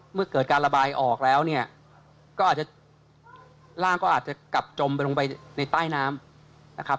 เมื่อเกิดการระบายออกแล้วเนี่ยก็อาจจะร่างก็อาจจะกลับจมไปลงไปในใต้น้ำนะครับ